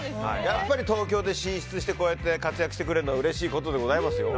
やっぱり東京に進出してこうやって活躍してくれるのはうれしいことでございますよ。